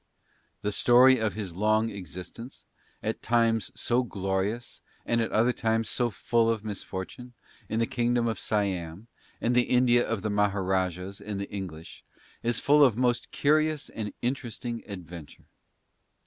The story of his long existence at times so glorious, and at other times so full of misfortune in the kingdom of Siam, and the India of the Maharajahs and the English, is full of most curious and interesting adventure.